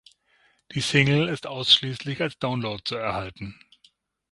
Die Single ist ausschließlich als Download zu erhalten.